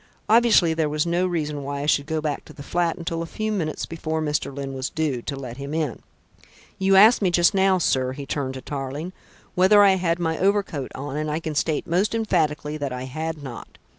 Obviously there was no reason why I should go back to the flat until a few minutes before Mr. Lyne was due, to let him in. You asked me just now, sir," he turned to Tarling, "whether I had my overcoat on, and I can state most emphatically that I had not.